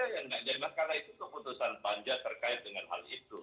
karena itu keputusan panja terkait dengan hal itu